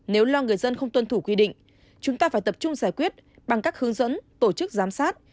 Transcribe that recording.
nếu lo người dân không tuân thủ quy định chúng ta phải tập trung giải quyết bằng các hướng dẫn tổ chức giám sát